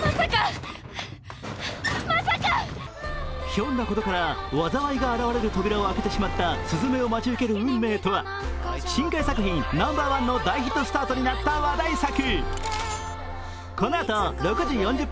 ひょんなことから災いが現れる扉を開けてしまった鈴芽を待ち受ける運命とは１新海作品ナンバーワンの大ヒットスタートになった話題作。